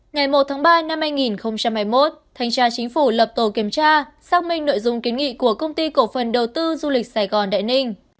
ngày một tháng ba năm hai nghìn hai mươi một thanh tra chính phủ lập tổ kiểm tra xác minh nội dung kiến nghị của công ty cổ phần đầu tư du lịch sài gòn đại ninh